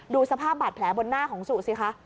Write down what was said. ดูสภาพบาดแผลบนหน้าของสุสิคะ